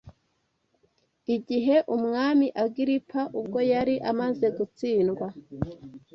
igihe umwami Agiripa ubwo yari amaze gutsindwa